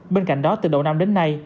bên cạnh đó từ đầu năm đến nay